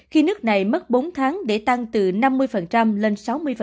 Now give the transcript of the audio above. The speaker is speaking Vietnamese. khi nước này mất bốn tháng để tăng từ năm mươi lên sáu mươi